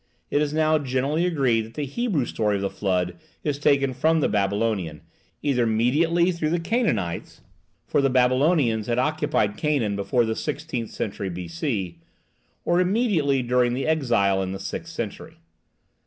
It is now generally agreed that the Hebrew story of the Flood is taken from the Babylonian, either mediately through the Canaanites (for the Babylonians had occupied Canaan before the sixteenth century B.C.), or immediately during the exile in the sixth century.